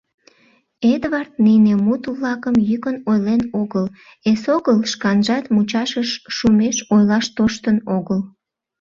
Эдвард нине мут-влакым йӱкын ойлен огыл, эсогыл шканжат мучашыш шумеш ойлаш тоштын огыл.